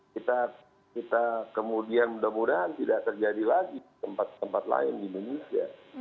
kita kemudian mudah mudahan tidak terjadi lagi di tempat tempat lain di indonesia